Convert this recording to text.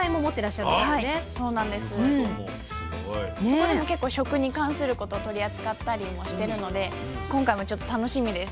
そこでも結構食に関することを取り扱ったりもしてるので今回もちょっと楽しみです。